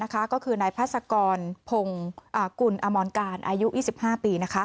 ก็คือนายพัศกรพงกุลอมรการอายุ๒๕ปี